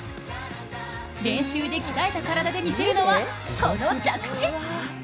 練習で鍛えた体で見せるのはこの着地。